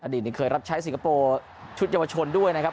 ดีตนี้เคยรับใช้สิงคโปร์ชุดเยาวชนด้วยนะครับ